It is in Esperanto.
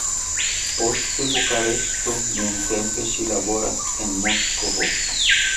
Post Bukareŝto, nuntempe ŝi laboras en Moskvo.